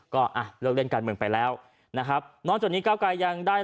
ก็อ่ะเลิกเล่นการเมืองไปแล้วนะครับนอกจากนี้เก้าไกรยังได้